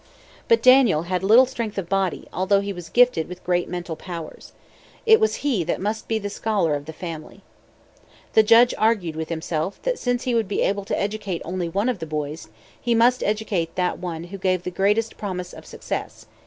But Daniel had little strength of body, although he was gifted with great mental powers. It was he that must be the scholar of the family. The judge argued with himself that since he would be able to educate only one of the boys, he must educate that one who gave the greatest promise of success.